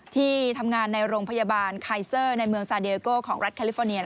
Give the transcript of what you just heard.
ที่ทำงานในโรงพยาบาลไคเซอร์ในเมืองซาเดโก้ของรัฐแคลิฟอร์เนีย